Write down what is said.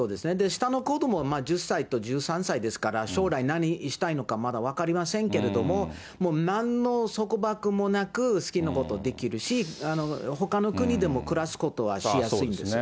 下の子ども、１０歳と１３歳ですから、将来何したいのかまだ分かりませんけれども、なんの束縛もなく好きなことできるし、ほかの国でも暮らすことはしやすいんです。